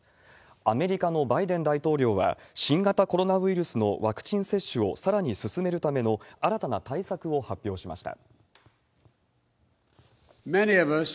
アメリカのバイデン大統領は、新型コロナウイルスのワクチン接種をさらに進めるための新たな対策を発表しました。